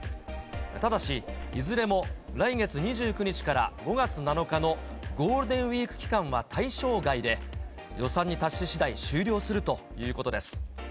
ただし、いずれも来月２９日から５月７日のゴールデンウィーク期間は対象外で、予算に達ししだい、終了するということです。